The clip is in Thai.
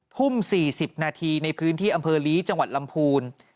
ทุ่ม๔๐นาทีในพื้นที่อำเภอลีจังหวัดลำพูน